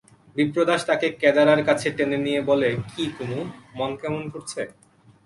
বিপ্রদাস তাকে কেদারার কাছে টেনে নিয়ে বলে, কী কুমু, মন কেমন করছে?